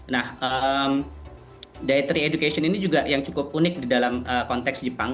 nah diary education ini juga yang cukup unik di dalam konteks jepang